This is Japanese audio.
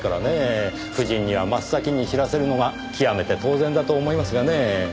夫人には真っ先に知らせるのが極めて当然だと思いますがねぇ。